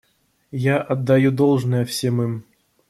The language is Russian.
Я отдаю должное всем им.